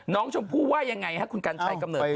น้องชมผู้ว่ายังไงฮะคุณกัญชัยกระมือกต่อ